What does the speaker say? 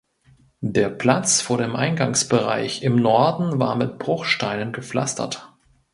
Der Platz vor dem Eingangsbereich im Norden war mit Bruchsteinen gepflastert.